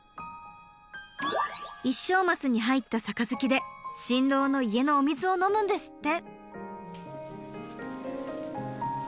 一升マスに入った杯で新郎の家のお水を飲むんですって。